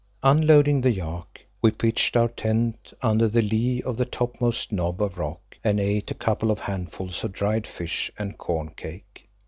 Unloading the yak, we pitched our tent under the lee of the topmost knob of rock and ate a couple of handfuls of dried fish and corn cake.